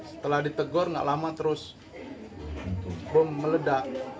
setelah ditegur nggak lama terus bom meledak